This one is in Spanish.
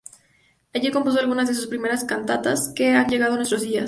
Allí compuso algunas de sus primeras cantatas que han llegado a nuestros días.